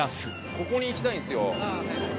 ここに行きたいんですよ。